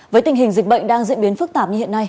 với tình hình dịch bệnh đang diễn biến phức tạp như hiện nay